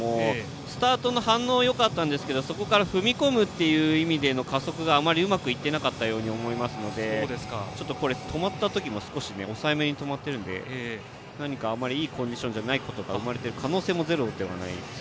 スタートの反応はよかったですがそこから踏み込むという意味での加速があまりうまくいっていなかったように思いますのでちょっと止まった時抑えめに止まっていたので何かあんまりいいコンディションではない可能性がゼロではないです。